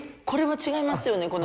これは違いますよね。